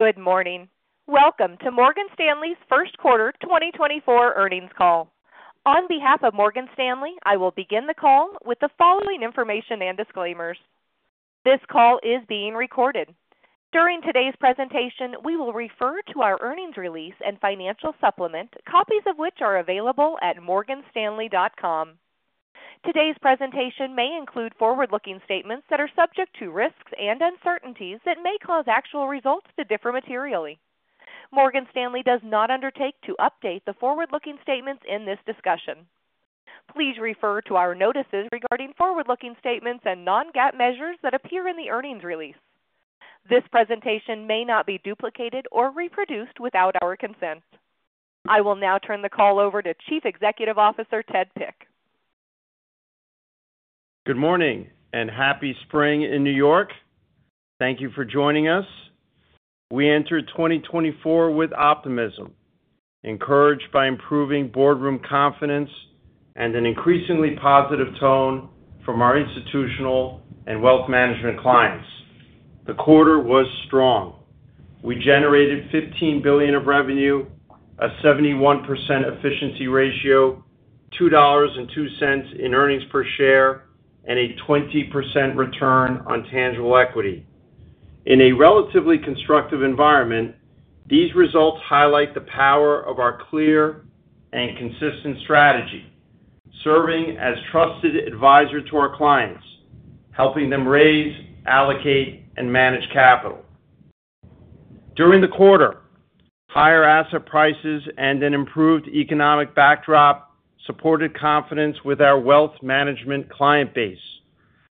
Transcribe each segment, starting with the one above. Good morning. Welcome to Morgan Stanley's first quarter 2024 earnings call. On behalf of Morgan Stanley, I will begin the call with the following information and disclaimers. This call is being recorded. During today's presentation, we will refer to our earnings release and financial supplement, copies of which are available at morganstanley.com. Today's presentation may include forward-looking statements that are subject to risks and uncertainties that may cause actual results to differ materially. Morgan Stanley does not undertake to update the forward-looking statements in this discussion. Please refer to our notices regarding forward-looking statements and non-GAAP measures that appear in the earnings release. This presentation may not be duplicated or reproduced without our consent. I will now turn the call over to Chief Executive Officer Ted Pick. Good morning and happy spring in New York. Thank you for joining us. We entered 2024 with optimism, encouraged by improving boardroom confidence and an increasingly positive tone from our Institutional and Wealth Management clients. The quarter was strong. We generated $15 billion of revenue, a 71% efficiency ratio, $2.02 in earnings per share, and a 20% return on tangible equity. In a relatively constructive environment, these results highlight the power of our clear and consistent strategy, serving as trusted advisor to our clients, helping them raise, allocate, and manage capital. During the quarter, higher asset prices and an improved economic backdrop supported confidence with our Wealth Management client base.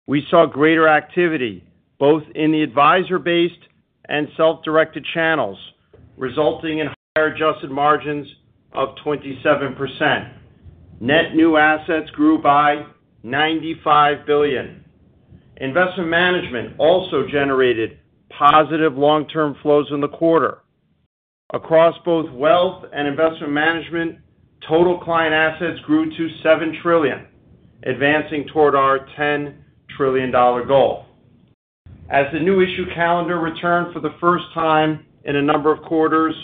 We saw greater activity both in the advisor-based and self-directed channels, resulting in higher adjusted margins of 27%. Net new assets grew by $95 billion. Investment management also generated positive long-term flows in the quarter. Across both wealth and investment management, total client assets grew to $7 trillion, advancing toward our $10 trillion goal. As the new issue calendar returned for the first time in a number of quarters,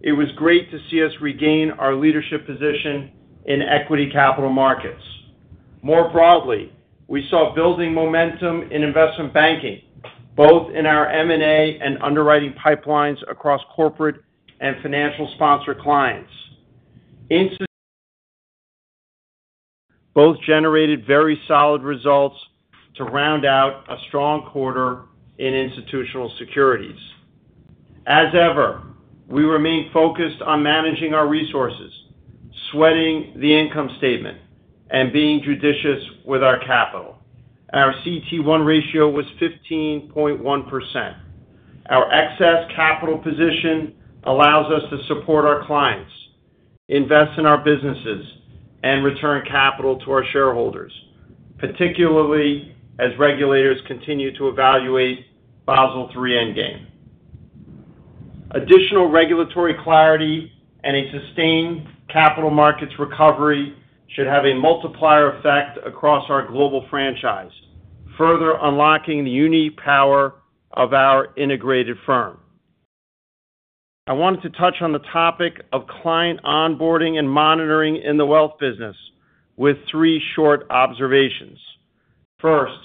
it was great to see us regain our leadership position in equity capital markets. More broadly, we saw building momentum in investment banking, both in our M&A and underwriting pipelines across corporate and financial sponsor clients. Both generated very solid results to round out a strong quarter in Institutional Securities. As ever, we remain focused on managing our resources, sweating the income statement, and being judicious with our capital. Our CET1 ratio was 15.1%. Our excess capital position allows us to support our clients, invest in our businesses, and return capital to our shareholders, particularly as regulators continue to evaluate Basel III Endgame. Additional regulatory clarity and a sustained capital markets recovery should have a multiplier effect across our global franchise, further unlocking the unique power of our integrated firm. I wanted to touch on the topic of client onboarding and monitoring in the wealth business with three short observations. First,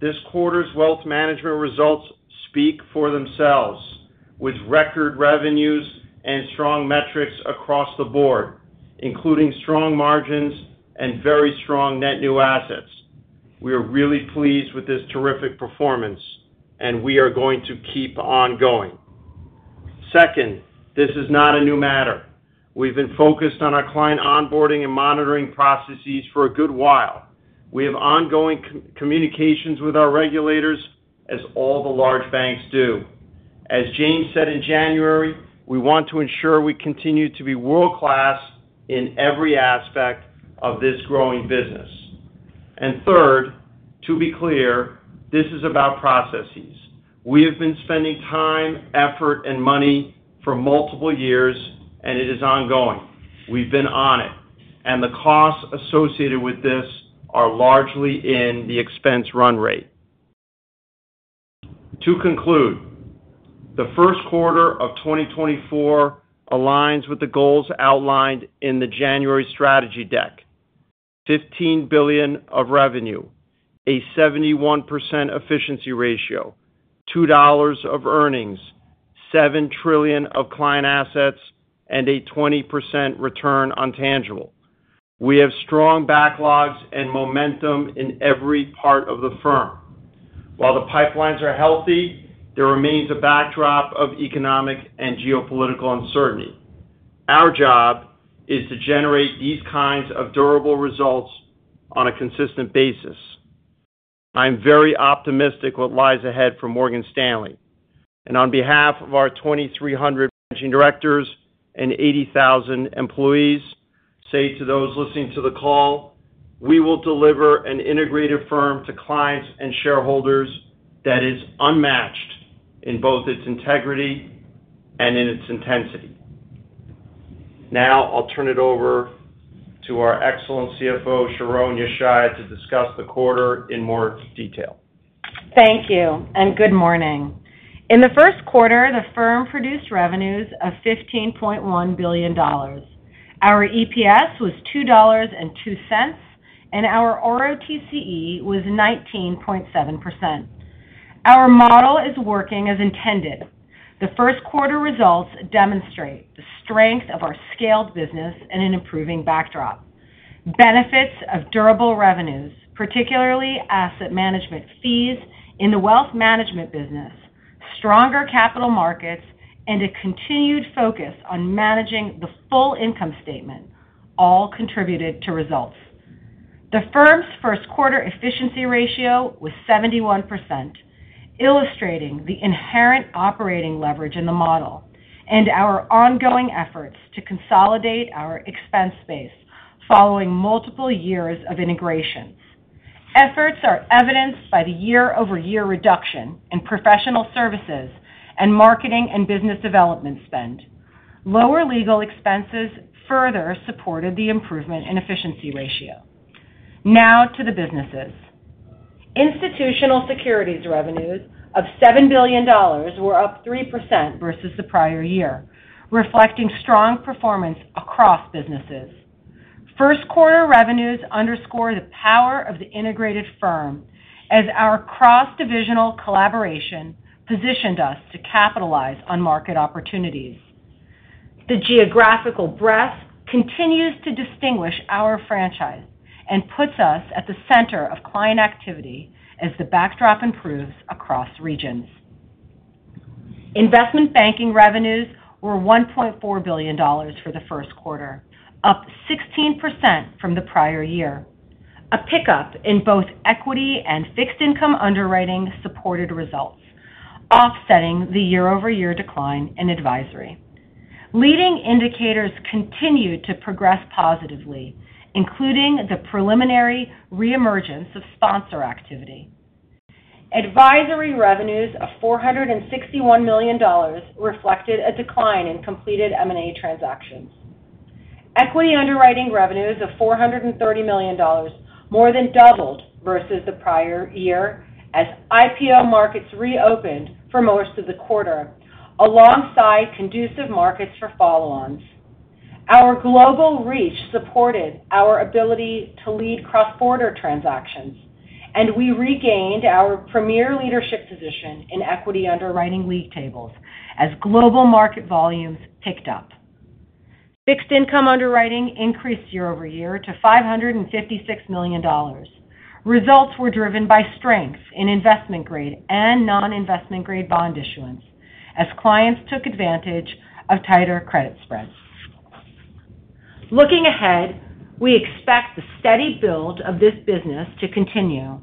this quarter's Wealth Management results speak for themselves, with record revenues and strong metrics across the board, including strong margins and very strong net new assets. We are really pleased with this terrific performance, and we are going to keep ongoing. Second, this is not a new matter. We've been focused on our client onboarding and monitoring processes for a good while. We have ongoing communications with our regulators, as all the large banks do. As James said in January, we want to ensure we continue to be world-class in every aspect of this growing business. Third, to be clear, this is about processes. We have been spending time, effort, and money for multiple years, and it is ongoing. We've been on it, and the costs associated with this are largely in the expense run rate. To conclude, the first quarter of 2024 aligns with the goals outlined in the January strategy deck: $15 billion of revenue, a 71% efficiency ratio, $2 of earnings, $7 trillion of client assets, and a 20% return on tangible. We have strong backlogs and momentum in every part of the firm. While the pipelines are healthy, there remains a backdrop of economic and geopolitical uncertainty. Our job is to generate these kinds of durable results on a consistent basis. I'm very optimistic what lies ahead for Morgan Stanley. On behalf of our 2,300 managing directors and 80,000 employees, say to those listening to the call, we will deliver an integrated firm to clients and shareholders that is unmatched in both its integrity and in its intensity. Now I'll turn it over to our excellent CFO, Sharon Yeshaya, to discuss the quarter in more detail. Thank you, and good morning. In the first quarter, the firm produced revenues of $15.1 billion. Our EPS was $2.02, and our ROTCE was 19.7%. Our model is working as intended. The first quarter results demonstrate the strength of our scaled business and an improving backdrop. Benefits of durable revenues, particularly asset management fees in the Wealth Management business, stronger capital markets, and a continued focus on managing the full income statement all contributed to results. The firm's first quarter efficiency ratio was 71%, illustrating the inherent operating leverage in the model and our ongoing efforts to consolidate our expense base following multiple years of integration. Efforts are evidenced by the year-over-year reduction in professional services and marketing and business development spend. Lower legal expenses further supported the improvement in efficiency ratio. Now to the businesses. Institutional Securities revenues of $7 billion were up 3% versus the prior year, reflecting strong performance across businesses. First quarter revenues underscore the power of the integrated firm as our cross-divisional collaboration positioned us to capitalize on market opportunities. The geographical breadth continues to distinguish our franchise and puts us at the center of client activity as the backdrop improves across regions. Investment banking revenues were $1.4 billion for the first quarter, up 16% from the prior year. A pickup in both equity and fixed income underwriting supported results, offsetting the year-over-year decline in advisory. Leading indicators continued to progress positively, including the preliminary reemergence of sponsor activity. Advisory revenues of $461 million reflected a decline in completed M&A transactions. Equity underwriting revenues of $430 million more than doubled versus the prior year as IPO markets reopened for most of the quarter, alongside conducive markets for follow-ons. Our global reach supported our ability to lead cross-border transactions, and we regained our premier leadership position in equity underwriting league tables as global market volumes picked up. Fixed income underwriting increased year-over-year to $556 million. Results were driven by strength in investment-grade and non-investment-grade bond issuance as clients took advantage of tighter credit spreads. Looking ahead, we expect the steady build of this business to continue.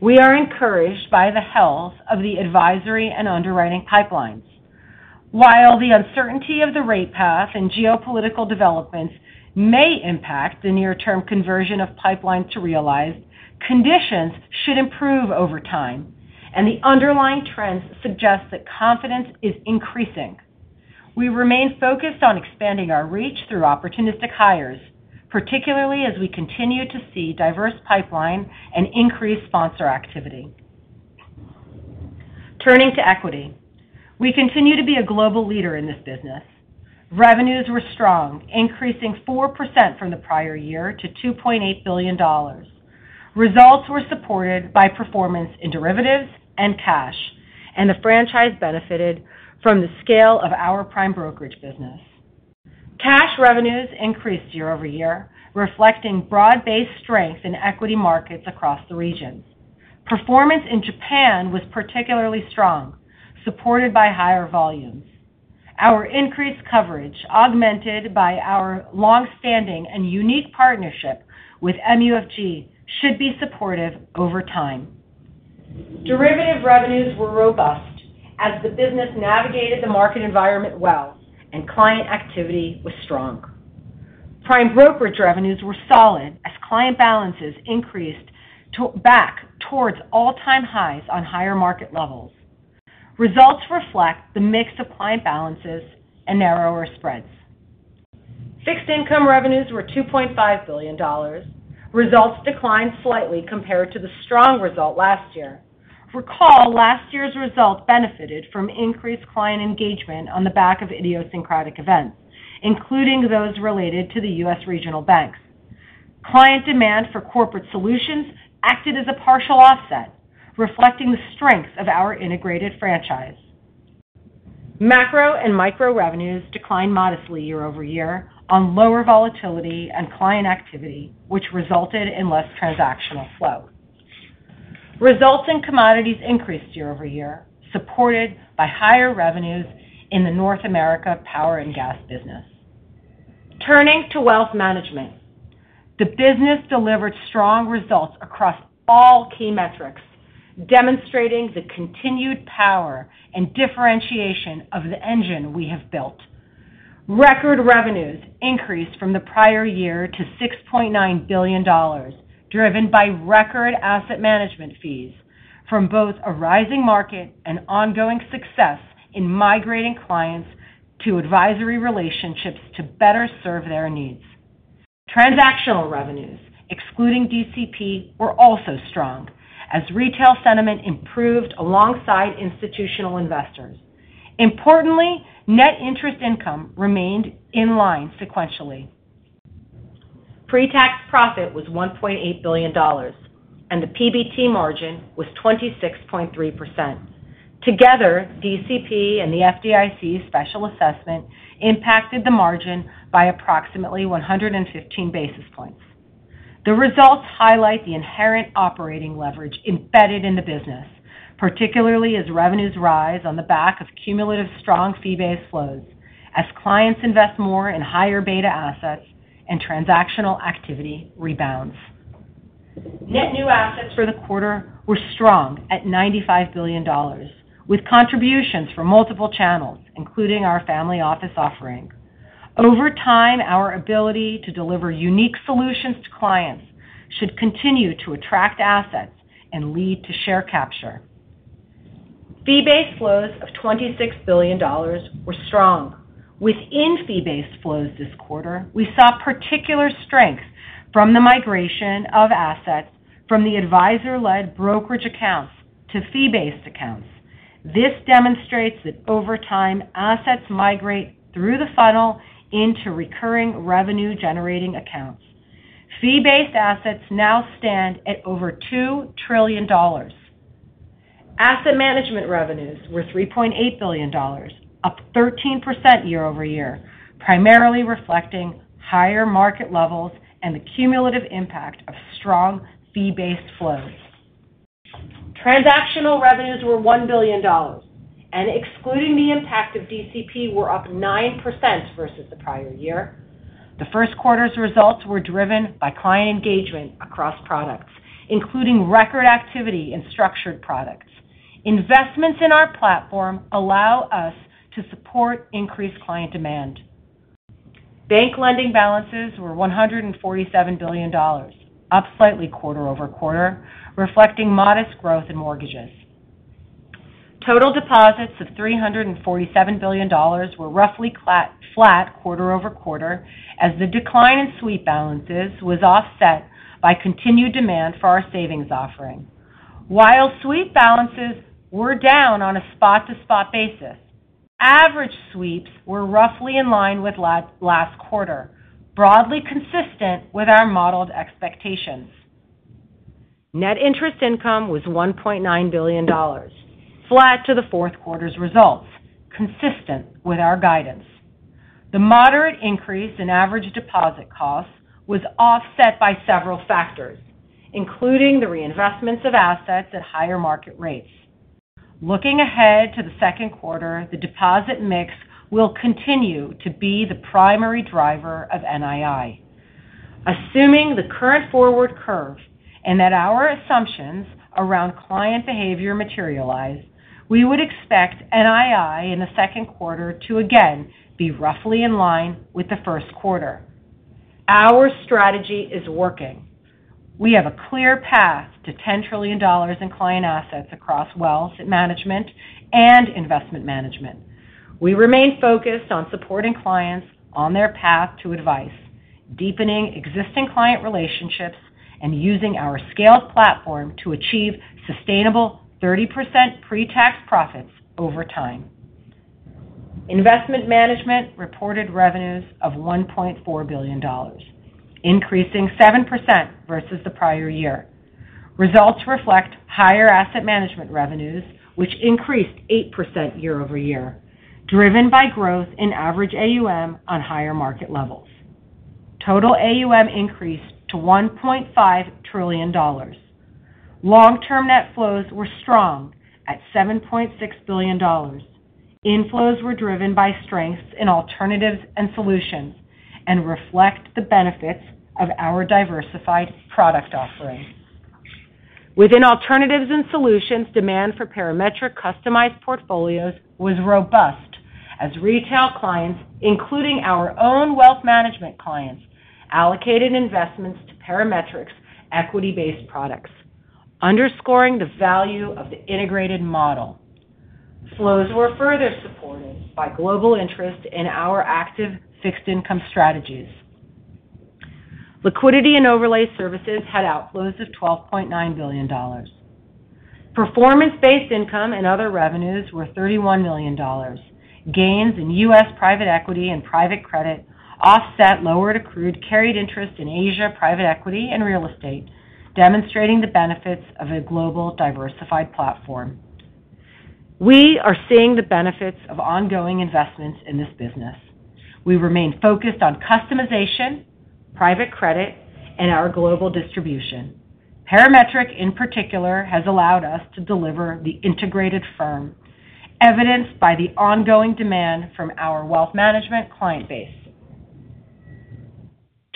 We are encouraged by the health of the advisory and underwriting pipelines. While the uncertainty of the rate path and geopolitical developments may impact the near-term conversion of pipelines to realized, conditions should improve over time, and the underlying trends suggest that confidence is increasing. We remain focused on expanding our reach through opportunistic hires, particularly as we continue to see diverse pipeline and increased sponsor activity. Turning to equity, we continue to be a global leader in this business. Revenues were strong, increasing 4% from the prior year to $2.8 billion. Results were supported by performance in derivatives and cash, and the franchise benefited from the scale of our prime brokerage business. Cash revenues increased year-over-year, reflecting broad-based strength in equity markets across the regions. Performance in Japan was particularly strong, supported by higher volumes. Our increased coverage, augmented by our longstanding and unique partnership with MUFG, should be supportive over time. Derivative revenues were robust as the business navigated the market environment well, and client activity was strong. Prime brokerage revenues were solid as client balances increased back towards all-time highs on higher market levels. Results reflect the mix of client balances and narrower spreads. Fixed income revenues were $2.5 billion. Results declined slightly compared to the strong result last year. Recall, last year's result benefited from increased client engagement on the back of idiosyncratic events, including those related to the U.S. regional banks. Client demand for corporate solutions acted as a partial offset, reflecting the strengths of our integrated franchise. Macro and micro revenues declined modestly year-over-year on lower volatility and client activity, which resulted in less transactional flow. Results in commodities increased year-over-year, supported by higher revenues in the North America power and gas business. Turning to Wealth Management, the business delivered strong results across all key metrics, demonstrating the continued power and differentiation of the engine we have built. Record revenues increased from the prior year to $6.9 billion, driven by record asset management fees from both a rising market and ongoing success in migrating clients to advisory relationships to better serve their needs. Transactional revenues, excluding DCP, were also strong as retail sentiment improved alongside institutional investors. Importantly, net interest income remained in line sequentially. Pre-tax profit was $1.8 billion, and the PBT margin was 26.3%. Together, DCP and the FDIC special assessment impacted the margin by approximately 115 basis points. The results highlight the inherent operating leverage embedded in the business, particularly as revenues rise on the back of cumulative strong fee-based flows as clients invest more in higher beta assets and transactional activity rebounds. Net new assets for the quarter were strong at $95 billion, with contributions from multiple channels, including our family office offering. Over time, our ability to deliver unique solutions to clients should continue to attract assets and lead to share capture. Fee-based flows of $26 billion were strong. Within fee-based flows this quarter, we saw particular strengths from the migration of assets from the advisor-led brokerage accounts to fee-based accounts. This demonstrates that over time, assets migrate through the funnel into recurring revenue-generating accounts. Fee-based assets now stand at over $2 trillion. Asset management revenues were $3.8 billion, up 13% year-over-year, primarily reflecting higher market levels and the cumulative impact of strong fee-based flows. Transactional revenues were $1 billion, and excluding the impact of DCP, were up 9% versus the prior year. The first quarter's results were driven by client engagement across products, including record activity in structured products. Investments in our platform allow us to support increased client demand. Bank lending balances were $147 billion, up slightly quarter-over-quarter, reflecting modest growth in mortgages. Total deposits of $347 billion were roughly flat quarter-over-quarter as the decline in sweep balances was offset by continued demand for our savings offering. While sweep balances were down on a spot-to-spot basis, average sweeps were roughly in line with last quarter, broadly consistent with our modeled expectations. Net interest income was $1.9 billion, flat to the fourth quarter's results, consistent with our guidance. The moderate increase in average deposit costs was offset by several factors, including the reinvestments of assets at higher market rates. Looking ahead to the second quarter, the deposit mix will continue to be the primary driver of NII. Assuming the current forward curve and that our assumptions around client behavior materialize, we would expect NII in the second quarter to again be roughly in line with the first quarter. Our strategy is working. We have a clear path to $10 trillion in client assets across Wealth Management and Investment Management. We remain focused on supporting clients on their path to advice, deepening existing client relationships, and using our scaled platform to achieve sustainable 30% pre-tax profits over time. Investment Management reported revenues of $1.4 billion, increasing 7% versus the prior year. Results reflect higher asset management revenues, which increased 8% year-over-year, driven by growth in average AUM on higher market levels. Total AUM increased to $1.5 trillion. Long-term net flows were strong at $7.6 billion. Inflows were driven by strengths in alternatives and solutions and reflect the benefits of our diversified product offering. Within alternatives and solutions, demand for Parametric customized portfolios was robust as retail clients, including our own Wealth Management clients, allocated investments to Parametric's equity-based products, underscoring the value of the integrated model. Flows were further supported by global interest in our active fixed income strategies. Liquidity and overlay services had outflows of $12.9 billion. Performance-based income and other revenues were $31 million. Gains in U.S. private equity and private credit offset lowered accrued carried interest in Asia private equity and real estate, demonstrating the benefits of a global diversified platform. We are seeing the benefits of ongoing investments in this business. We remain focused on customization, private credit, and our global distribution. Parametric, in particular, has allowed us to deliver the integrated firm, evidenced by the ongoing demand from our Wealth Management client base.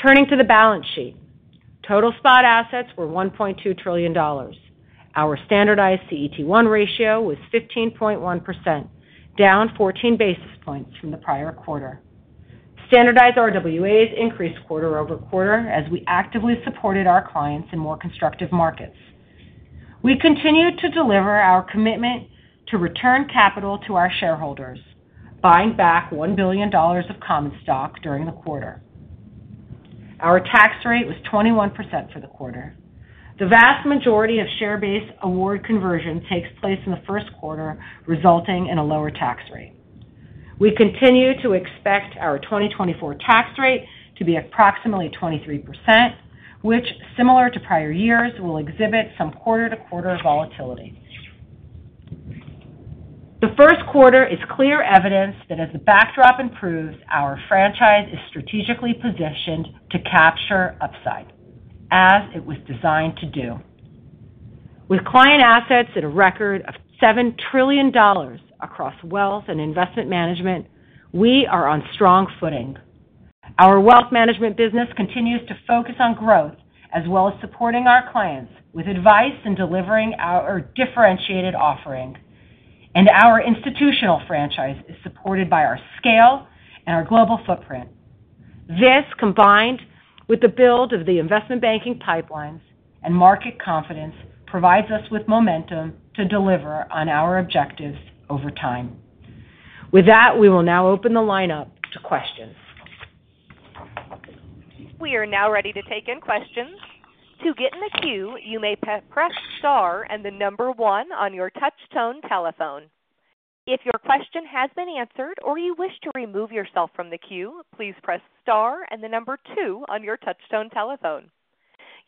Turning to the balance sheet, total spot assets were $1.2 trillion. Our standardized CET1 ratio was 15.1%, down 14 basis points from the prior quarter. Standardized RWAs increased quarter-over-quarter as we actively supported our clients in more constructive markets. We continued to deliver our commitment to return capital to our shareholders, buying back $1 billion of common stock during the quarter. Our tax rate was 21% for the quarter. The vast majority of share-based award conversion takes place in the first quarter, resulting in a lower tax rate. We continue to expect our 2024 tax rate to be approximately 23%, which, similar to prior years, will exhibit some quarter-to-quarter volatility. The first quarter is clear evidence that as the backdrop improves, our franchise is strategically positioned to capture upside as it was designed to do. With client assets at a record of $7 trillion across wealth and investment management, we are on strong footing. Our Wealth Management business continues to focus on growth as well as supporting our clients with advice and delivering our differentiated offering. Our institutional franchise is supported by our scale and our global footprint. This, combined with the build of the investment banking pipelines and market confidence, provides us with momentum to deliver on our objectives over time. With that, we will now open the line up to questions. We are now ready to take in questions. To get in the queue, you may press star and the number one on your touch-tone telephone. If your question has been answered or you wish to remove yourself from the queue, please press star and the number two on your touch-tone telephone.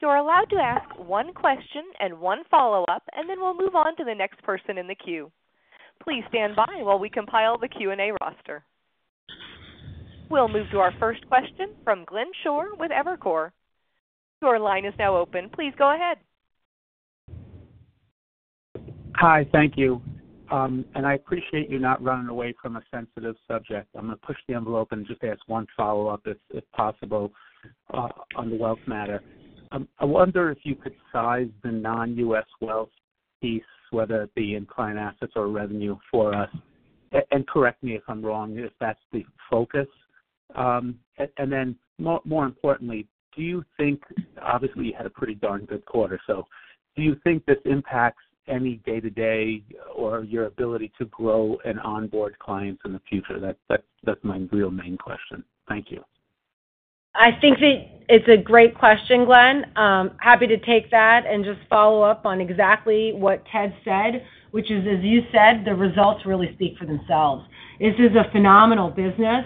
You're allowed to ask one question and one follow-up, and then we'll move on to the next person in the queue. Please stand by while we compile the Q&A roster. We'll move to our first question from Glenn Schorr with Evercore. Your line is now open. Please go ahead. Hi. Thank you. And I appreciate you not running away from a sensitive subject. I'm going to push the envelope and just ask one follow-up if possible on the wealth matter. I wonder if you could size the non-US wealth piece, whether it be in client assets or revenue, for us. And correct me if I'm wrong if that's the focus. And then, more importantly, do you think, obviously, you had a pretty darn good quarter. So do you think this impacts any day-to-day or your ability to grow and onboard clients in the future? That's my real main question. Thank you. I think it's a great question, Glenn. Happy to take that and just follow up on exactly what Ted said, which is, as you said, the results really speak for themselves. This is a phenomenal business.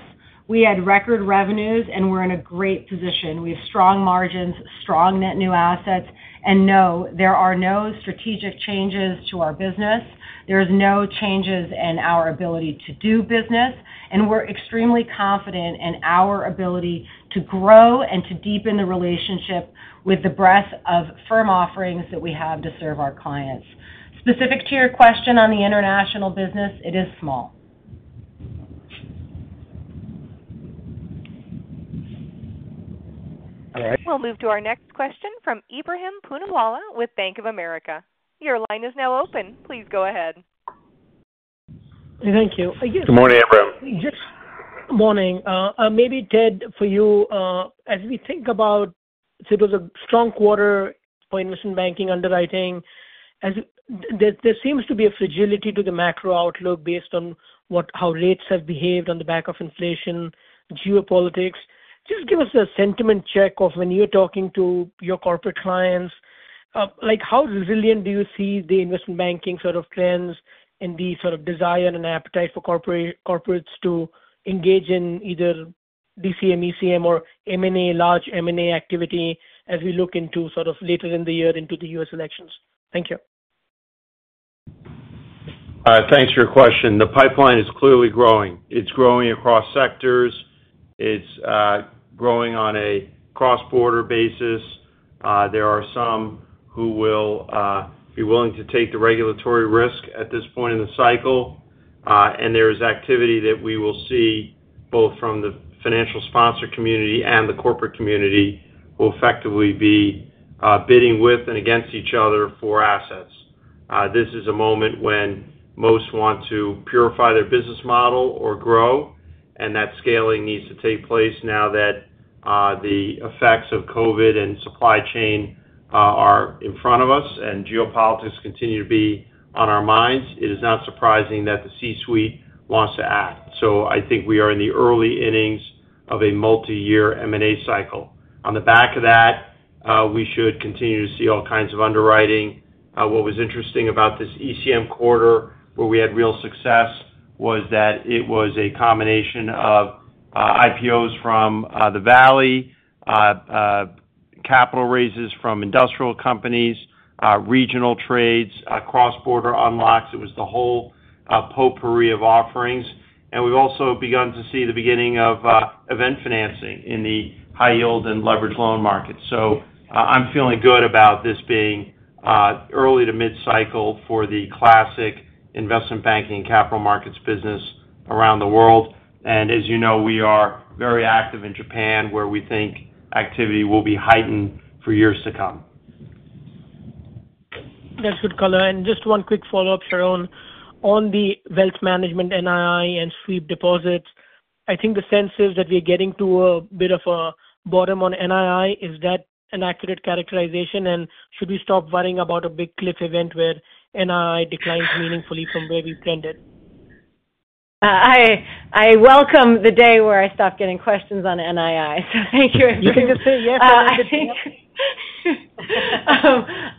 We had record revenues, and we're in a great position. We have strong margins, strong net new assets. No, there are no strategic changes to our business. There are no changes in our ability to do business. And we're extremely confident in our ability to grow and to deepen the relationship with the breadth of firm offerings that we have to serve our clients. Specific to your question on the international business, it is small. All right. We'll move to our next question from Ebrahim Poonawala with Bank of America. Your line is now open. Please go ahead. Thank you. Good morning, Ebrahim. Good morning. Maybe, Ted, for you, as we think about it was a strong quarter for investment banking underwriting, there seems to be a fragility to the macro outlook based on how rates have behaved on the back of inflation, geopolitics. Just give us a sentiment check of when you're talking to your corporate clients. How resilient do you see the investment banking sort of trends and the sort of desire and appetite for corporates to engage in either DCM, ECM, or large M&A activity as we look into sort of later in the year into the U.S. elections? Thank you. Thanks for your question. The pipeline is clearly growing. It's growing across sectors. It's growing on a cross-border basis. There are some who will be willing to take the regulatory risk at this point in the cycle. And there is activity that we will see both from the financial sponsor community and the corporate community will effectively be bidding with and against each other for assets. This is a moment when most want to purify their business model or grow. That scaling needs to take place now that the effects of COVID and supply chain are in front of us and geopolitics continue to be on our minds. It is not surprising that the C-suite wants to act. So I think we are in the early innings of a multi-year M&A cycle. On the back of that, we should continue to see all kinds of underwriting. What was interesting about this ECM quarter where we had real success was that it was a combination of IPOs from the Valley, capital raises from industrial companies, regional trades, cross-border unlocks. It was the whole potpourri of offerings. And we've also begun to see the beginning of event financing in the high-yield and leveraged loan markets. So I'm feeling good about this being early to mid-cycle for the classic investment banking and capital markets business around the world. As you know, we are very active in Japan where we think activity will be heightened for years to come. That's good color. And just one quick follow-up, Sharon. On the Wealth Management NII and sweep deposits, I think the sense is that we're getting to a bit of a bottom on NII. Is that an accurate characterization? And should we stop worrying about a big cliff event where NII declines meaningfully from where we've trended? I welcome the day where I stop getting questions on NII. So thank you. If you can just say yes or no to the chat.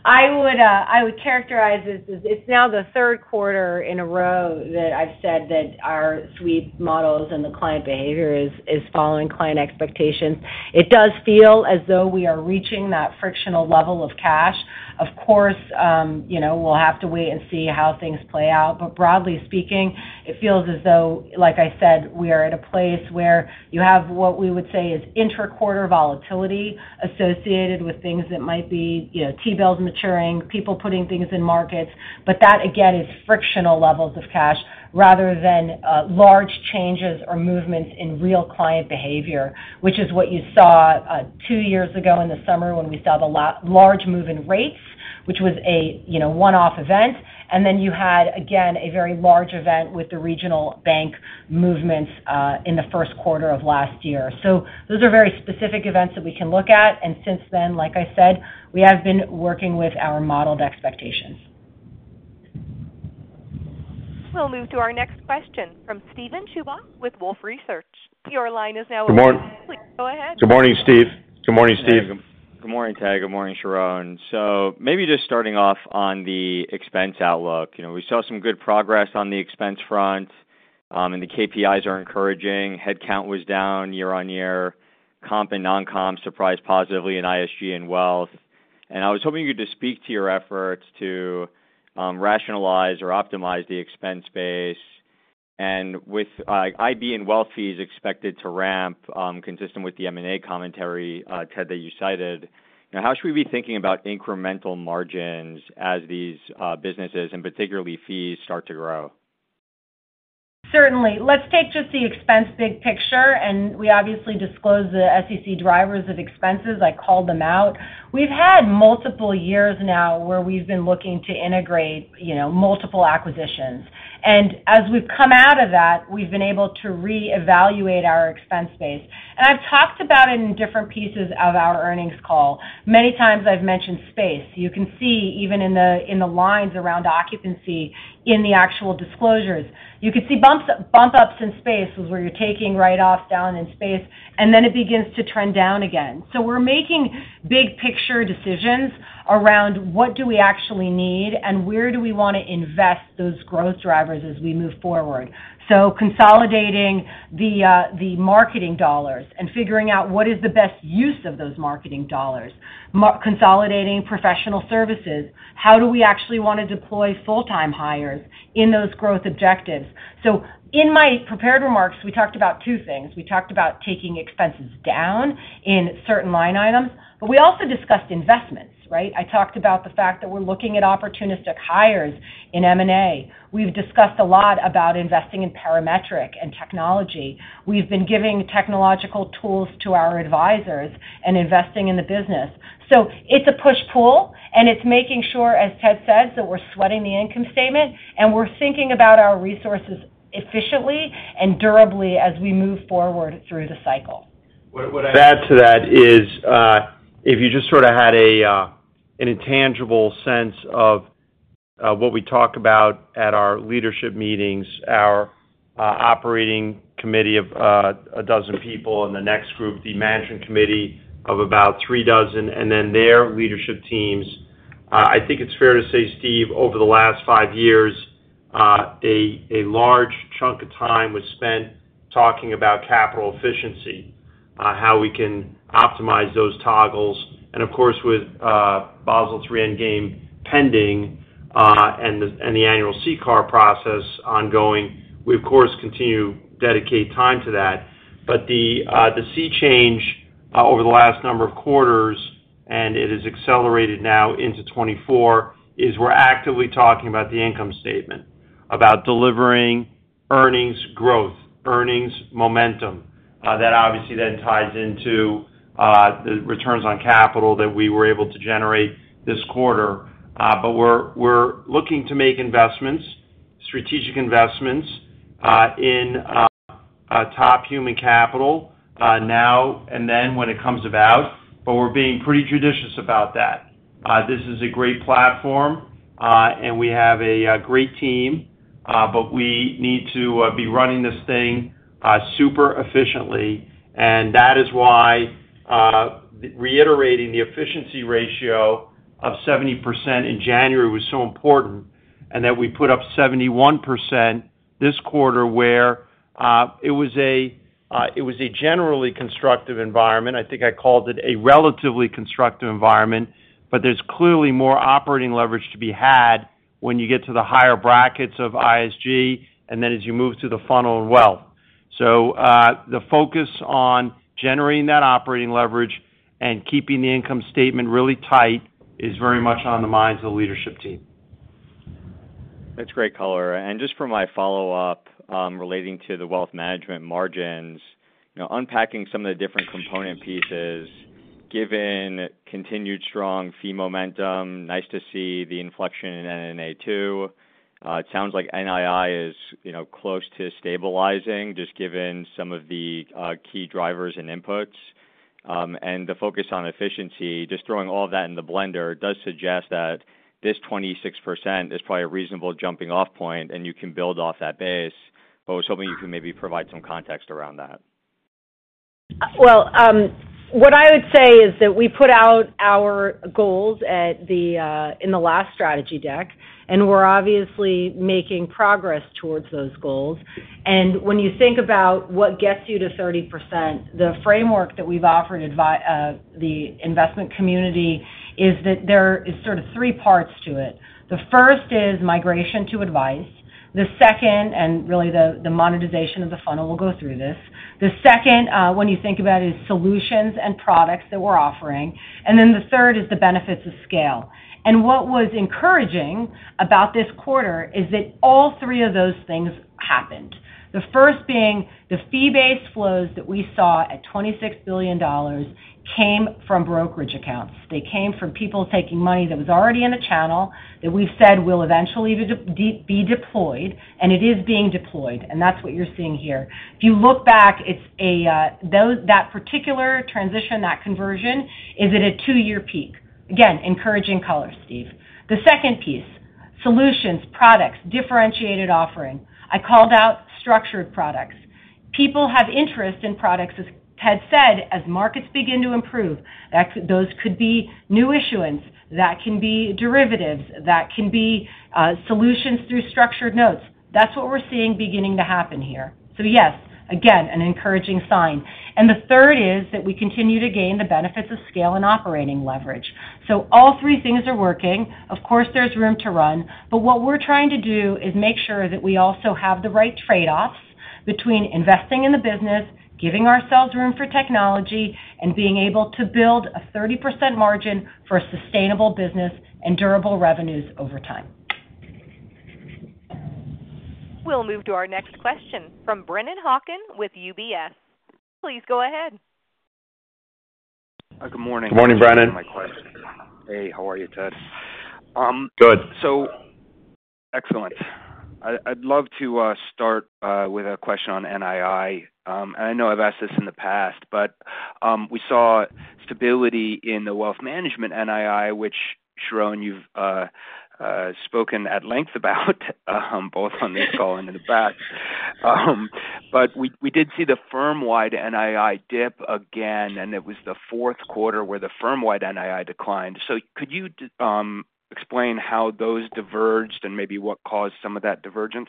I would characterize this as it's now the third quarter in a row that I've said that our sweep models and the client behavior is following client expectations. It does feel as though we are reaching that frictional level of cash. Of course, we'll have to wait and see how things play out. But broadly speaking, it feels as though, like I said, we are at a place where you have what we would say is intra-quarter volatility associated with things that might be T-bills maturing, people putting things in markets. But that, again, is frictional levels of cash rather than large changes or movements in real client behavior, which is what you saw two years ago in the summer when we saw the large move in rates, which was a one-off event. And then you had, again, a very large event with the regional bank movements in the first quarter of last year. So those are very specific events that we can look at. And since then, like I said, we have been working with our modeled expectations. We'll move to our next question from Steven Chubak with Wolfe Research. Your line is now open. Good morning. Please go ahead. Good morning, Steve. Good morning, Steve. Good morning, Ted. Good morning, Sharon. So maybe just starting off on the expense outlook. We saw some good progress on the expense front, and the KPIs are encouraging. Headcount was down year-over-year. Comp and non-comp surprised positively in ISG and wealth. And I was hoping you could speak to your efforts to rationalize or optimize the expense base. And with IB and wealth fees expected to ramp consistent with the M&A commentary, Ted, that you cited, how should we be thinking about incremental margins as these businesses, and particularly fees, start to grow? Certainly. Let's take just the expense big picture. And we obviously disclose the key drivers of expenses. I called them out. We've had multiple years now where we've been looking to integrate multiple acquisitions. As we've come out of that, we've been able to reevaluate our expense base. I've talked about it in different pieces of our earnings call. Many times, I've mentioned space. You can see even in the lines around occupancy in the actual disclosures. You could see bump-ups in space, was where you're taking write-offs down in space, and then it begins to trend down again. We're making big-picture decisions around what do we actually need, and where do we want to invest those growth drivers as we move forward. Consolidating the marketing dollars and figuring out what is the best use of those marketing dollars, consolidating professional services, how do we actually want to deploy full-time hires in those growth objectives. In my prepared remarks, we talked about two things. We talked about taking expenses down in certain line items, but we also discussed investments, right? I talked about the fact that we're looking at opportunistic hires in M&A. We've discussed a lot about investing in Parametric and technology. We've been giving technological tools to our advisors and investing in the business. So it's a push-pull, and it's making sure, as Ted says, that we're sweating the income statement and we're thinking about our resources efficiently and durably as we move forward through the cycle. What I add to that is if you just sort of had an intangible sense of what we talk about at our leadership meetings, our operating committee of a dozen people and the next group, the management committee of about three dozen, and then their leadership teams, I think it's fair to say, Steve, over the last five years, a large chunk of time was spent talking about capital efficiency, how we can optimize those toggles. Of course, with Basel III Endgame pending and the annual CCAR process ongoing, we, of course, continue to dedicate time to that. The sea change over the last number of quarters, and it has accelerated now into 2024, is we're actively talking about the income statement, about delivering earnings growth, earnings momentum. That obviously then ties into the returns on capital that we were able to generate this quarter. But we're looking to make investments, strategic investments, in top human capital now and then when it comes about. But we're being pretty judicious about that. This is a great platform, and we have a great team. But we need to be running this thing super efficiently. And that is why reiterating the efficiency ratio of 70% in January was so important and that we put up 71% this quarter where it was a generally constructive environment. I think I called it a relatively constructive environment. But there's clearly more operating leverage to be had when you get to the higher brackets of ISG and then as you move to the funnel and wealth. So the focus on generating that operating leverage and keeping the income statement really tight is very much on the minds of the leadership team. That's great color. Just for my follow-up relating to the Wealth Management margins, unpacking some of the different component pieces, given continued strong fee momentum, nice to see the inflection in NNA too. It sounds like NII is close to stabilizing just given some of the key drivers and inputs. The focus on efficiency, just throwing all of that in the blender, does suggest that this 26% is probably a reasonable jumping-off point, and you can build off that base. But I was hoping you could maybe provide some context around that. Well, what I would say is that we put out our goals in the last strategy deck, and we're obviously making progress towards those goals. When you think about what gets you to 30%, the framework that we've offered the investment community is that there are sort of three parts to it. The first is migration to advice. The second, and really the monetization of the funnel - we'll go through this - the second, when you think about it, is solutions and products that we're offering. And then the third is the benefits of scale. And what was encouraging about this quarter is that all three of those things happened. The first being the fee-based flows that we saw at $26 billion came from brokerage accounts. They came from people taking money that was already in a channel that we've said will eventually be deployed. And it is being deployed. And that's what you're seeing here. If you look back, that particular transition, that conversion, is at a two-year peak. Again, encouraging color, Steve. The second piece, solutions, products, differentiated offering. I called out structured products. People have interest in products, as Ted said, as markets begin to improve. Those could be new issuance. That can be derivatives. That can be solutions through structured notes. That's what we're seeing beginning to happen here. So yes, again, an encouraging sign. And the third is that we continue to gain the benefits of scale and operating leverage. So all three things are working. Of course, there's room to run. But what we're trying to do is make sure that we also have the right trade-offs between investing in the business, giving ourselves room for technology, and being able to build a 30% margin for a sustainable business and durable revenues over time. We'll move to our next question from Brennan Hawken with UBS. Please go ahead. Good morning. Good morning, Brennan. Hey, how are you, Ted? Good. Excellent. I'd love to start with a question on NII. I know I've asked this in the past, but we saw stability in the Wealth Management NII, which, Sharon, you've spoken at length about both on this call and in the back. But we did see the firm-wide NII dip again, and it was the fourth quarter where the firm-wide NII declined. Could you explain how those diverged and maybe what caused some of that divergence?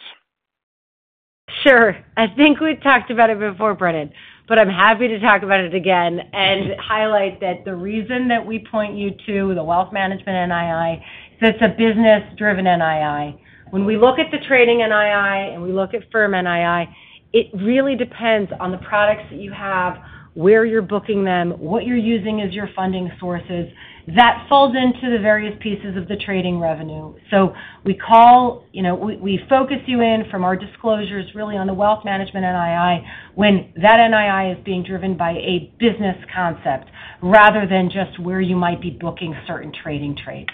Sure. I think we talked about it before, Brennan. But I'm happy to talk about it again and highlight that the reason that we point you to the Wealth Management NII is that it's a business-driven NII. When we look at the trading NII and we look at firm NII, it really depends on the products that you have, where you're booking them, what you're using as your funding sources. That falls into the various pieces of the trading revenue. So we focus you in from our disclosures really on the Wealth Management NII when that NII is being driven by a business concept rather than just where you might be booking certain trading trades.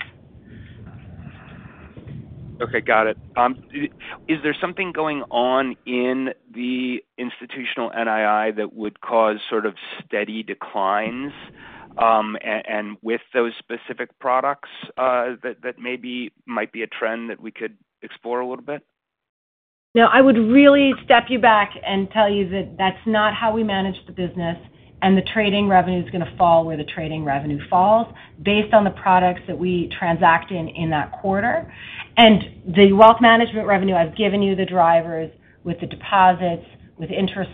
Okay. Got it. Is there something going on in the institutional NII that would cause sort of steady declines? And with those specific products, that maybe might be a trend that we could explore a little bit? No. I would really step you back and tell you that that's not how we manage the business. And the trading revenue is going to fall where the trading revenue falls based on the products that we transact in that quarter. And the Wealth Management revenue, I've given you the drivers with the deposits, with interest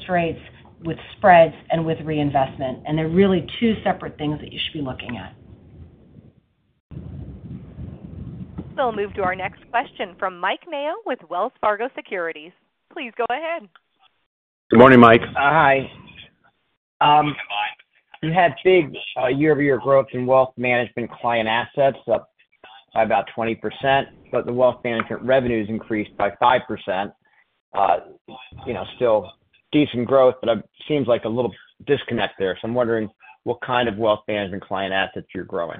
rates, with spreads, and with reinvestment. And they're really two separate things that you should be looking at. We'll move to our next question from Mike Mayo with Wells Fargo Securities. Please go ahead. Good morning, Mike. Hi. You had big year-over-year growth in Wealth Management client assets up by about 20%. But the Wealth Management revenues increased by 5%. Still decent growth, but it seems like a little disconnect there. So I'm wondering what kind of Wealth Management client assets you're growing.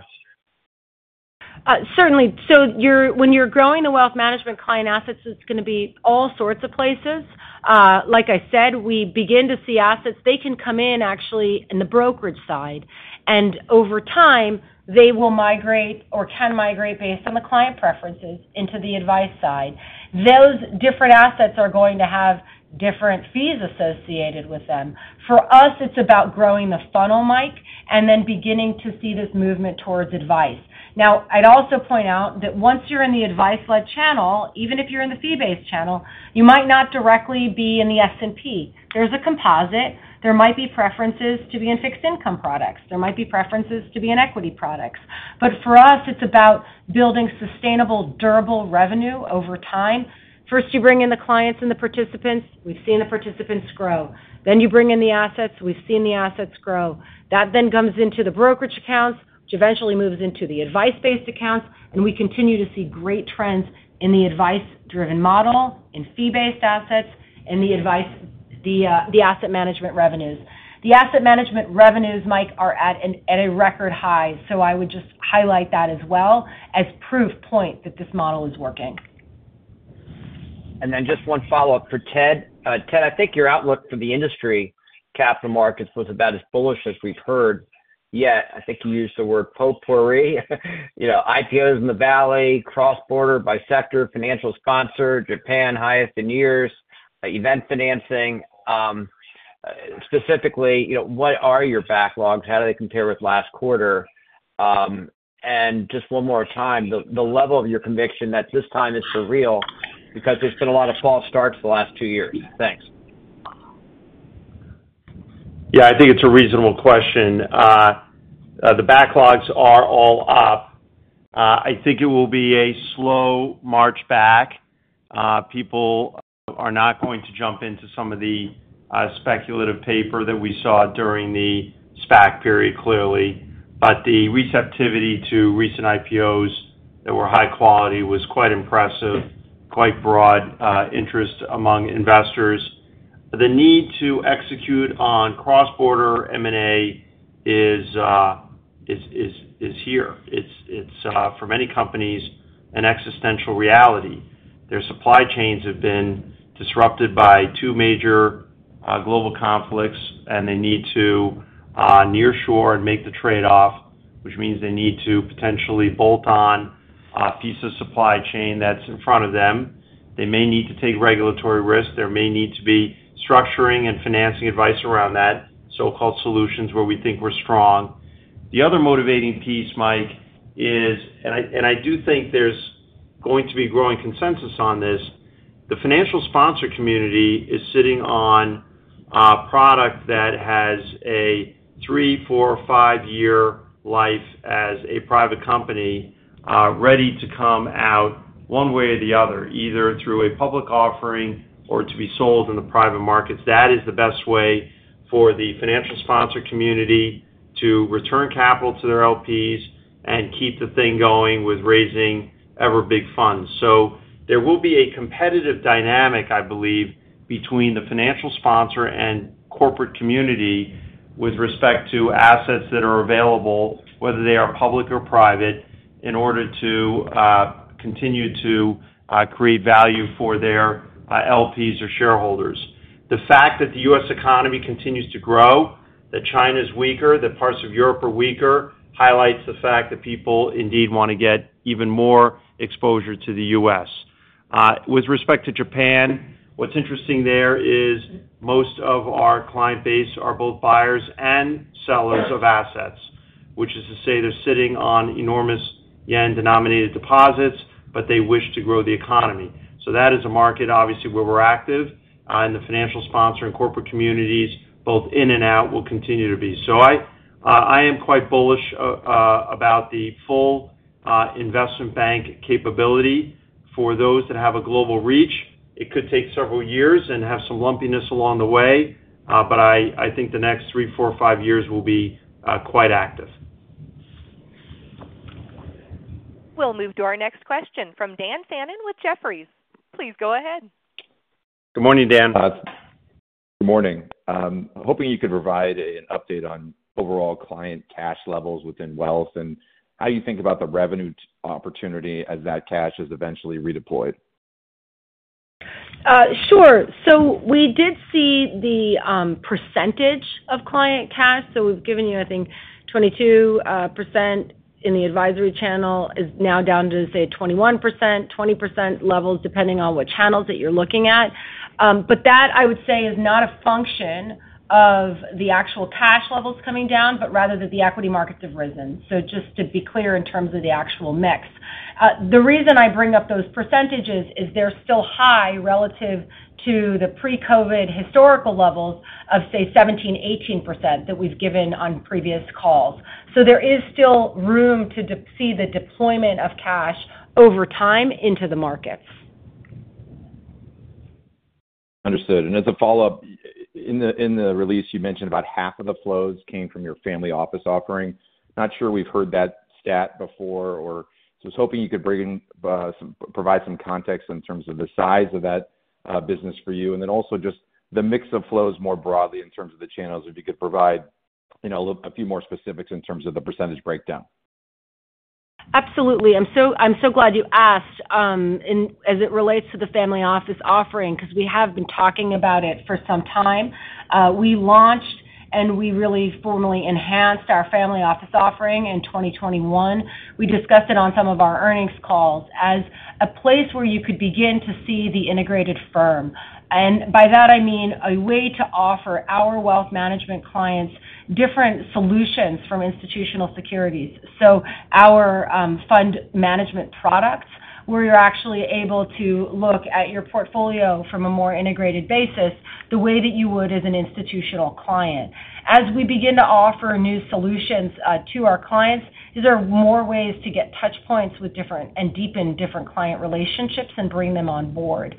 Certainly. So when you're growing the Wealth Management client assets, it's going to be all sorts of places. Like I said, we begin to see assets they can come in actually in the brokerage side. And over time, they will migrate or can migrate based on the client preferences into the advice side. Those different assets are going to have different fees associated with them. For us, it's about growing the funnel, Mike, and then beginning to see this movement towards advice. Now, I'd also point out that once you're in the advice-led channel, even if you're in the fee-based channel, you might not directly be in the S&P. There's a composite. There might be preferences to be in fixed-income products. There might be preferences to be in equity products. But for us, it's about building sustainable, durable revenue over time. First, you bring in the clients and the participants. We've seen the participants grow. Then you bring in the assets. We've seen the assets grow. That then comes into the brokerage accounts, which eventually moves into the advice-based accounts. And we continue to see great trends in the advice-driven model, in fee-based assets, and the asset management revenues. The asset management revenues, Mike, are at a record high. So I would just highlight that as well as proof point that this model is working. And then just one follow-up for Ted. Ted, I think your outlook for the industry capital markets was about as bullish as we've heard yet. I think you used the word potpourri. IPOs in the Valley, cross-border, by sector, financial sponsor, Japan, highest in years, event financing. Specifically, what are your backlogs? How do they compare with last quarter? And just one more time, the level of your conviction that this time is for real because there's been a lot of false starts the last two years. Thanks. Yeah. I think it's a reasonable question. The backlogs are all up. I think it will be a slow march back. People are not going to jump into some of the speculative paper that we saw during the SPAC period, clearly. But the receptivity to recent IPOs that were high quality was quite impressive, quite broad interest among investors. The need to execute on cross-border M&A is here. It's, for many companies, an existential reality. Their supply chains have been disrupted by two major global conflicts, and they need to nearshore and make the trade-off, which means they need to potentially bolt on a piece of supply chain that's in front of them. They may need to take regulatory risk. There may need to be structuring and financing advice around that, so-called solutions where we think we're strong. The other motivating piece, Mike, is and I do think there's going to be growing consensus on this. The financial sponsor community is sitting on a product that has a three, four, five-year life as a private company ready to come out one way or the other, either through a public offering or to be sold in the private markets. That is the best way for the financial sponsor community to return capital to their LPs and keep the thing going with raising ever big funds. So there will be a competitive dynamic, I believe, between the financial sponsor and corporate community with respect to assets that are available, whether they are public or private, in order to continue to create value for their LPs or shareholders. The fact that the U.S. economy continues to grow, that China's weaker, that parts of Europe are weaker, highlights the fact that people indeed want to get even more exposure to the U.S. With respect to Japan, what's interesting there is most of our client base are both buyers and sellers of assets, which is to say they're sitting on enormous yen-denominated deposits, but they wish to grow the economy. So that is a market, obviously, where we're active. The financial sponsor and corporate communities, both in and out, will continue to be. So I am quite bullish about the full investment bank capability. For those that have a global reach, it could take several years and have some lumpiness along the way. But I think the next three, four, five years will be quite active. We'll move to our next question from Dan Fannon with Jefferies. Please go ahead. Good morning, Dan. Good morning. Hoping you could provide an update on overall client cash levels within wealth and how you think about the revenue opportunity as that cash is eventually redeployed. Sure. So we did see the percentage of client cash. So we've given you, I think, 22% in the advisory channel. It's now down to, say, 21%-20% levels depending on what channels that you're looking at. But that, I would say, is not a function of the actual cash levels coming down, but rather that the equity markets have risen. So just to be clear in terms of the actual mix. The reason I bring up those percentages is they're still high relative to the pre-COVID historical levels of, say, 17%, 18% that we've given on previous calls. So there is still room to see the deployment of cash over time into the markets. Understood. And as a follow-up, in the release, you mentioned about half of the flows came from your family office offering. Not sure we've heard that stat before. So I was hoping you could provide some context in terms of the size of that business for you and then also just the mix of flows more broadly in terms of the channels, if you could provide a few more specifics in terms of the percentage breakdown. Absolutely. I'm so glad you asked as it relates to the family office offering because we have been talking about it for some time. We launched, and we really formally enhanced our family office offering in 2021. We discussed it on some of our earnings calls as a place where you could begin to see the integrated firm. And by that, I mean a way to offer our Wealth Management clients different solutions from Institutional Securities. So our fund management products where you're actually able to look at your portfolio from a more integrated basis the way that you would as an institutional client. As we begin to offer new solutions to our clients, these are more ways to get touchpoints and deepen different client relationships and bring them on board.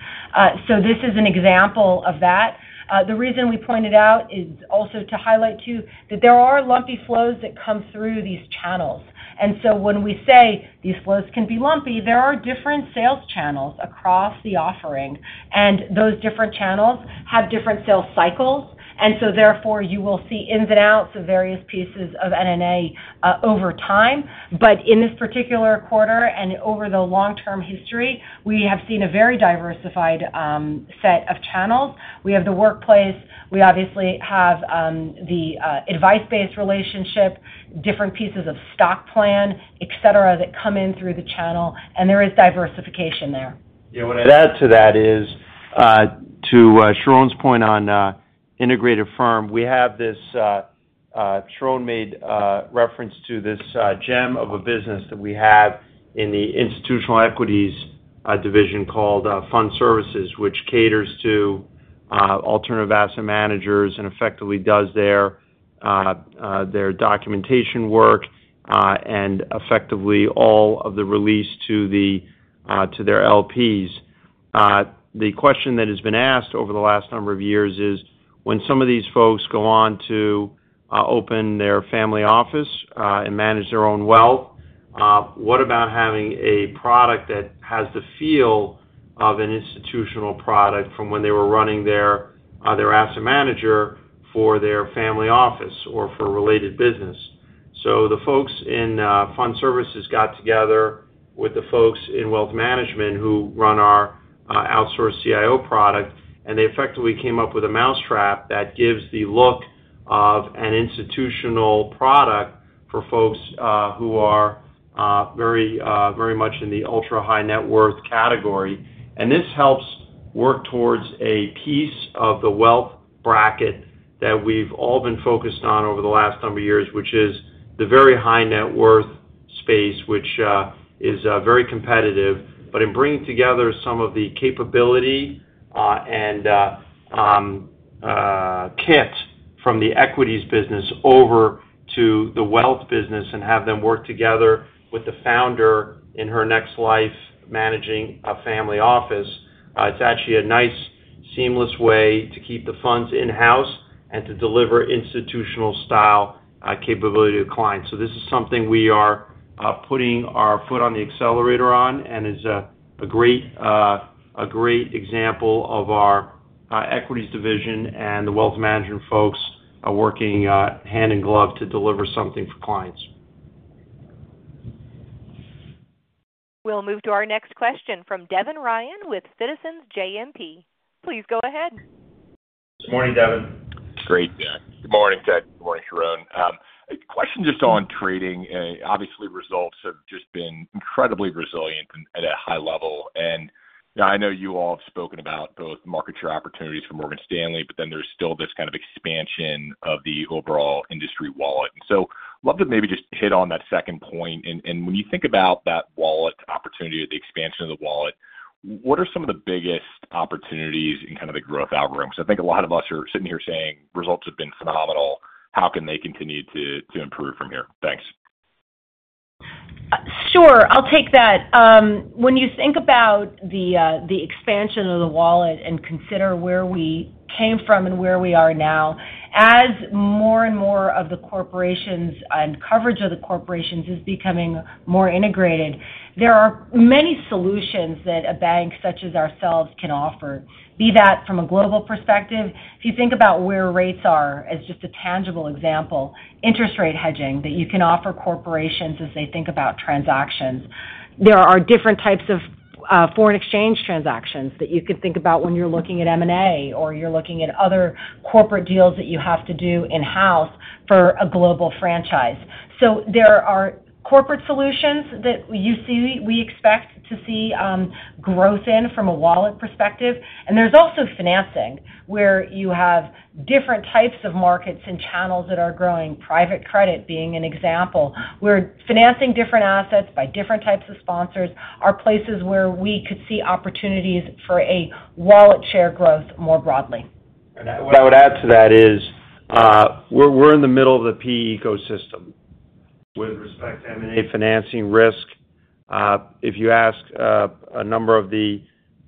So this is an example of that. The reason we pointed out is also to highlight too that there are lumpy flows that come through these channels. And so when we say these flows can be lumpy, there are different sales channels across the offering. And those different channels have different sales cycles. And so, therefore, you will see ins and outs of various pieces of NNA over time. But in this particular quarter and over the long-term history, we have seen a very diversified set of channels. We have the workplace. We obviously have the advice-based relationship, different pieces of stock plan, etc., that come in through the channel. There is diversification there. Yeah. What I'd add to that is, to Sharon's point on integrated firm, we have this, Sharon made reference to, this gem of a business that we have in the institutional equities division called Fund Services, which caters to alternative asset managers and effectively does their documentation work and effectively all of the release to their LPs. The question that has been asked over the last number of years is, when some of these folks go on to open their family office and manage their own wealth, what about having a product that has the feel of an institutional product from when they were running their asset manager for their family office or for a related business? So the folks in Fund Services got together with the folks in Wealth Management who run our outsourced CIO product, and they effectively came up with a mousetrap that gives the look of an institutional product for folks who are very much in the ultra-high net worth category. And this helps work towards a piece of the wealth bracket that we've all been focused on over the last number of years, which is the very high net worth space, which is very competitive. But in bringing together some of the capability and kit from the equities business over to the wealth business and have them work together with the founder in her next life managing a family office, it's actually a nice, seamless way to keep the funds in-house and to deliver institutional-style capability to clients. So this is something we are putting our foot on the accelerator on and is a great example of our equities division and the Wealth Management folks working hand in glove to deliver something for clients. We'll move to our next question from Devin Ryan with Citizens JMP. Please go ahead. Good morning, Devin. Great. Good morning, Ted. Good morning, Sharon. A question just on trading. Obviously, results have just been incredibly resilient at a high level. I know you all have spoken about both market share opportunities for Morgan Stanley, but then there's still this kind of expansion of the overall industry wallet. So I'd love to maybe just hit on that second point. When you think about that wallet opportunity, the expansion of the wallet, what are some of the biggest opportunities in kind of the growth algorithm? Because I think a lot of us are sitting here saying, "Results have been phenomenal. How can they continue to improve from here?" Thanks. Sure. I'll take that. When you think about the expansion of the wallet and consider where we came from and where we are now, as more and more of the corporations and coverage of the corporations is becoming more integrated, there are many solutions that a bank such as ourselves can offer, be that from a global perspective. If you think about where rates are as just a tangible example, interest rate hedging that you can offer corporations as they think about transactions. There are different types of foreign exchange transactions that you can think about when you're looking at M&A or you're looking at other corporate deals that you have to do in-house for a global franchise. There are corporate solutions that we expect to see growth in from a wallet perspective. There's also financing where you have different types of markets and channels that are growing, private credit being an example, where financing different assets by different types of sponsors are places where we could see opportunities for a wallet share growth more broadly. What I would add to that is we're in the middle of the PE ecosystem with respect to M&A financing risk. If you ask a number of the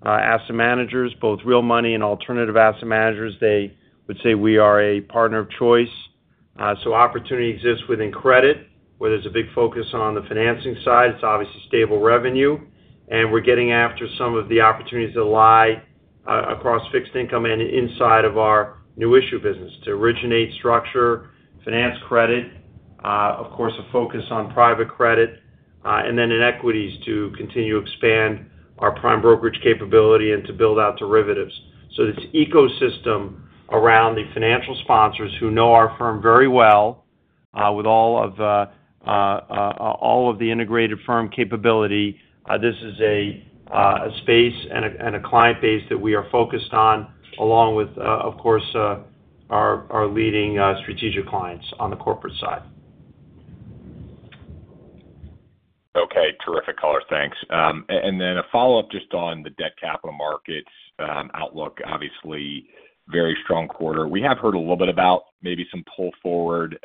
asset managers, both real money and alternative asset managers, they would say we are a partner of choice. Opportunity exists within credit where there's a big focus on the financing side. It's obviously stable revenue. We're getting after some of the opportunities that lie across fixed income and inside of our new issue business to originate, structure, finance credit, of course, a focus on private credit, and then in equities to continue to expand our prime brokerage capability and to build out derivatives. So this ecosystem around the financial sponsors who know our firm very well with all of the integrated firm capability, this is a space and a client base that we are focused on along with, of course, our leading strategic clients on the corporate side. Okay. Terrific color. Thanks. Then a follow-up just on the debt capital markets outlook, obviously, very strong quarter. We have heard a little bit about maybe some pull forward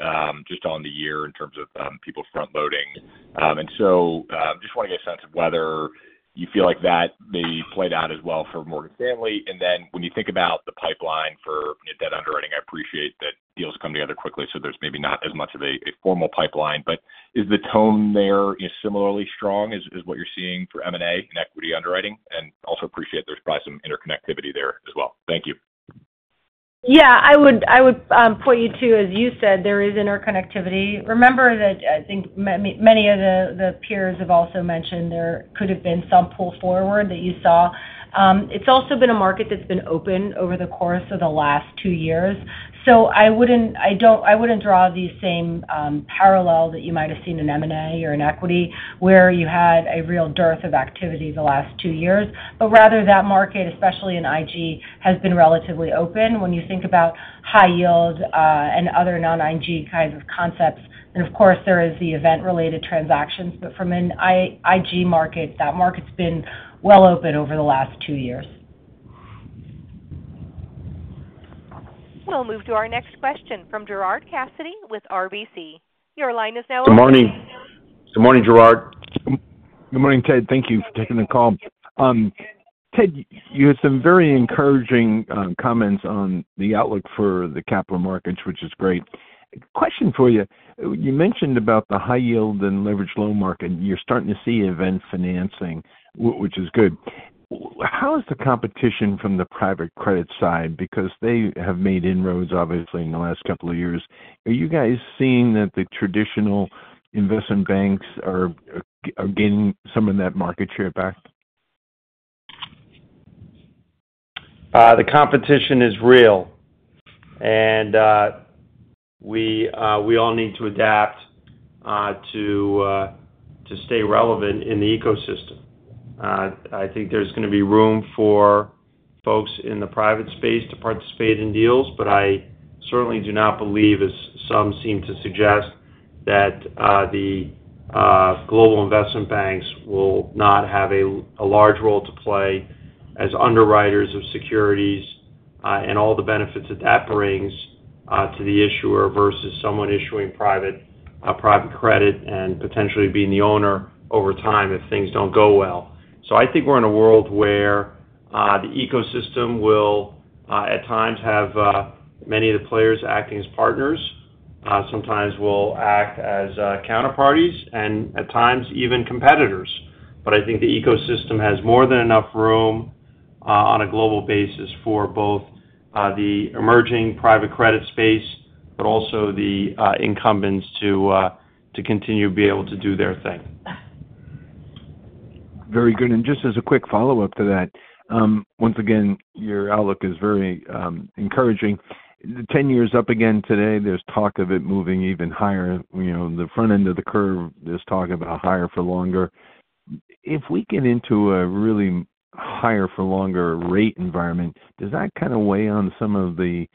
just on the year in terms of people frontloading. So I just want to get a sense of whether you feel like that maybe played out as well for Morgan Stanley. Then when you think about the pipeline for debt underwriting, I appreciate that deals come together quickly. So there's maybe not as much of a formal pipeline. But is the tone there similarly strong as what you're seeing for M&A and equity underwriting? And also appreciate there's probably some interconnectivity there as well. Thank you. Yeah. I would point you too, as you said, there is interconnectivity. Remember that I think many of the peers have also mentioned there could have been some pull forward that you saw. It's also been a market that's been open over the course of the last two years. So I wouldn't draw the same parallel that you might have seen in M&A or in equity where you had a real dearth of activity the last two years. But rather, that market, especially in IG, has been relatively open when you think about high yield and other non-IG kinds of concepts. And of course, there is the event-related transactions. But from an IG market, that market's been well open over the last two years. We'll move to our next question from Gerard Cassidy with RBC. Your line is now. Good morning. Good morning, Gerard. Good morning, Ted. Thank you for taking the call. Ted, you had some very encouraging comments on the outlook for the capital markets, which is great. Question for you. You mentioned about the high yield and leveraged loan market. You're starting to see event financing, which is good. How is the competition from the private credit side? Because they have made inroads, obviously, in the last couple of years. Are you guys seeing that the traditional investment banks are gaining some of that market share back? The competition is real. And we all need to adapt to stay relevant in the ecosystem. I think there's going to be room for folks in the private space to participate in deals. But I certainly do not believe, as some seem to suggest, that the global investment banks will not have a large role to play as underwriters of securities and all the benefits that that brings to the issuer versus someone issuing private credit and potentially being the owner over time if things don't go well. So I think we're in a world where the ecosystem will, at times, have many of the players acting as partners. Sometimes, we'll act as counterparties and, at times, even competitors. But I think the ecosystem has more than enough room on a global basis for both the emerging private credit space but also the incumbents to continue to be able to do their thing. Very good. Just as a quick follow-up to that, once again, your outlook is very encouraging. 10-year's up again today, there's talk of it moving even higher. The front end of the curve, there's talk about higher for longer. If we get into a really higher-for-longer rate environment, does that kind of weigh on some of the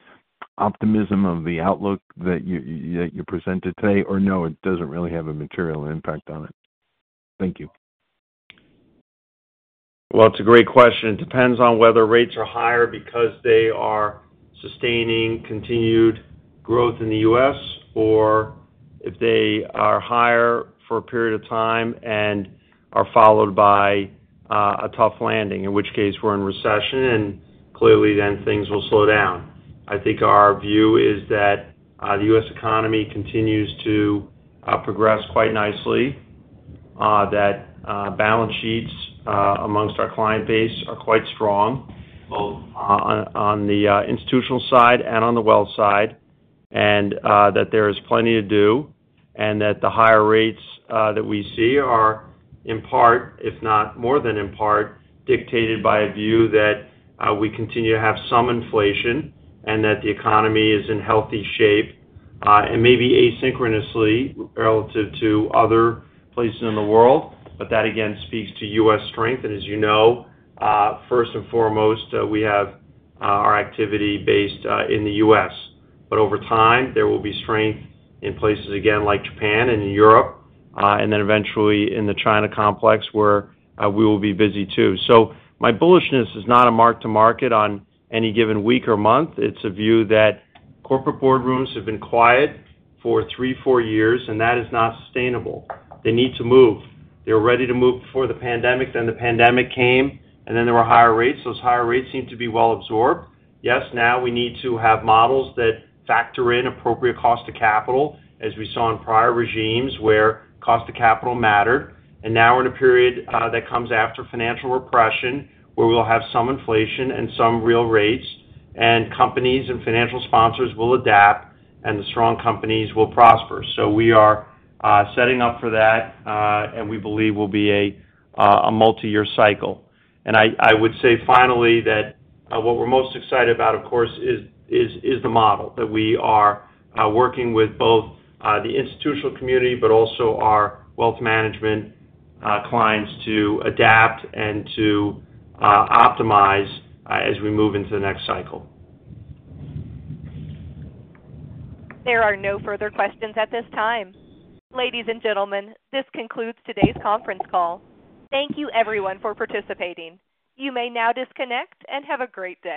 optimism of the outlook that you presented today? Or no, it doesn't really have a material impact on it? Thank you. Well, it's a great question. It depends on whether rates are higher because they are sustaining continued growth in the U.S. or if they are higher for a period of time and are followed by a tough landing, in which case, we're in recession. And clearly, then things will slow down. I think our view is that the U.S. economy continues to progress quite nicely, that balance sheets amongst our client base are quite strong both on the institutional side and on the wealth side, and that there is plenty to do, and that the higher rates that we see are in part, if not more than in part, dictated by a view that we continue to have some inflation and that the economy is in healthy shape and maybe asynchronously relative to other places in the world. But that, again, speaks to U.S. strength. As you know, first and foremost, we have our activity based in the U.S. But over time, there will be strength in places, again, like Japan and in Europe and then eventually in the China complex where we will be busy too. So my bullishness is not a mark-to-market on any given week or month. It's a view that corporate boardrooms have been quiet for three, four years, and that is not sustainable. They need to move. They were ready to move before the pandemic. Then the pandemic came, and then there were higher rates. Those higher rates seem to be well absorbed. Yes, now we need to have models that factor in appropriate cost of capital as we saw in prior regimes where cost of capital mattered. Now we're in a period that comes after financial repression where we'll have some inflation and some real rates, and companies and financial sponsors will adapt, and the strong companies will prosper. We are setting up for that, and we believe will be a multi-year cycle. I would say finally that what we're most excited about, of course, is the model that we are working with both the institutional community but also our Wealth Management clients to adapt and to optimize as we move into the next cycle. There are no further questions at this time. Ladies and gentlemen, this concludes today's conference call. Thank you, everyone, for participating. You may now disconnect and have a great day.